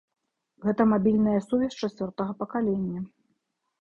Гэта мабільная сувязь чацвёртага пакалення.